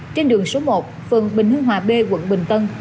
trên đường số một phường bình hưng hòa b quận bình tân